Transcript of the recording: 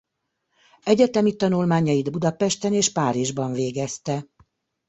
Egyetemi tanulmányait Budapesten és Párizsban végezte.